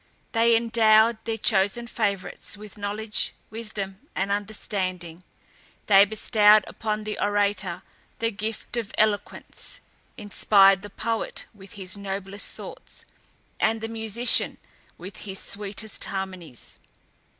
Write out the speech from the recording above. They endowed their chosen favourites with knowledge, wisdom, and understanding; they bestowed upon the orator the gift of eloquence, inspired the poet with his noblest thoughts, and the musician with his sweetest harmonies.